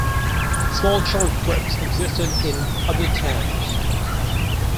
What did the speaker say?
Small church groups existed in other towns.